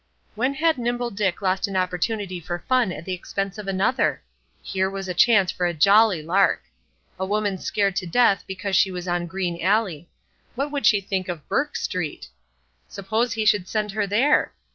When had Nimble Dick lost an opportunity for fun at the expense of another? Here was a chance for a jolly lark! A woman scared to death because she was on Green alley. What would she think of Burk Street! Suppose he should send her there?